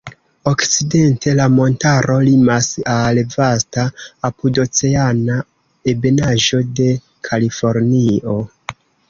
Okcidente la montaro limas al vasta apudoceana ebenaĵo de Kalifornio.